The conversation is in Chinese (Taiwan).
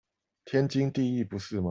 天經地義不是嗎？